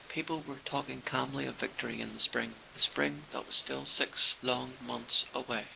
People were talking calmly of victory in the spring—the spring that was still six long months away!